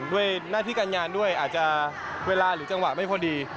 ด้วยหน้าที่การงานด้วยอาจจะเวลาหรือจังหวะไม่พอดี